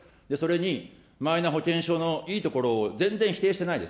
それにマイナ保険証のいいところを全然否定してないです。